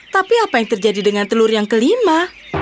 tapi apa yang terjadi dengan telur yang kelima